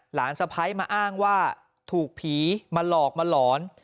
สะพ้ายมาอ้างว่าถูกผีมาหลอกมาหลอน